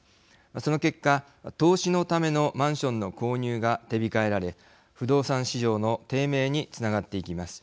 その結果投資のためのマンションの購入が手控えられ不動産市場の低迷につながっていきます。